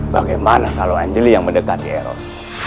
bagaimana kalau angelie yang mendekati eros